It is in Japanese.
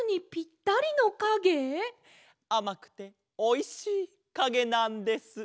あまくておいしいかげなんです。